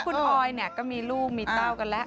คุณลิฟค์คุณออยมีลูกมีเต้ากันแล้ว